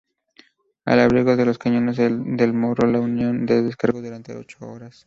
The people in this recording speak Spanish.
Al abrigo de los cañones del morro, la "Unión" descargó durante ocho horas.